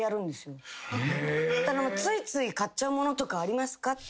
ついつい買っちゃうものとかありますか？